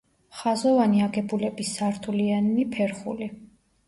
ხაზოვანი აგებულების სართულიანი ფერხული.